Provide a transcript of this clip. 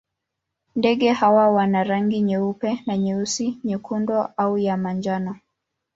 Ndege hawa wana rangi nyeupe na nyeusi, nyekundu au ya manjano.